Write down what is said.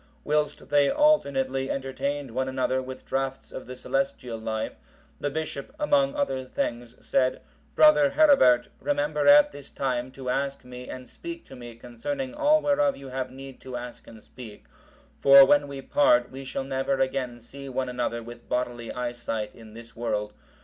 Whilst they alternately entertained one another with draughts of the celestial life, the bishop, among other things, said, "Brother Herebert, remember at this time to ask me and speak to me concerning all whereof you have need to ask and speak; for, when we part, we shall never again see one another with bodily eyesight in this world.